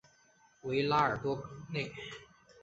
维拉尔多内。